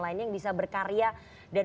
lainnya yang bisa berkarya dan